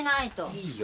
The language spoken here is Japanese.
いいよ。